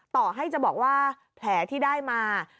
ต่อให้จะบอกว่าแผลที่ได้มา